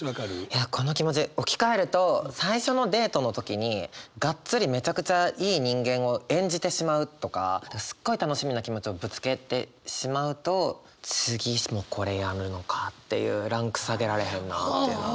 いやこの気持ち置き換えると最初のデートの時にガッツリめちゃくちゃいい人間を演じてしまうとかすっごい楽しみな気持ちをぶつけてしまうと次もこれやるのかっていうランク下げられへんなっていうのは。